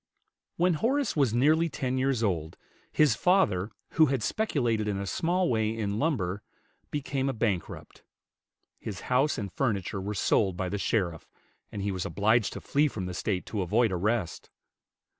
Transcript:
When Horace was nearly ten years old, his father, who had speculated in a small way in lumber, became a bankrupt; his house and furniture were sold by the sheriff, and he was obliged to flee from the State to avoid arrest.